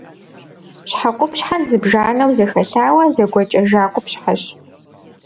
Щхьэ къупщхьэр зыбжанэу зэхэлъауэ, зэгуэкӏэжа къупщхьэщ.